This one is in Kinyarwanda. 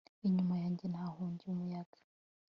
Inyuma yanjye nahungiye umuyaga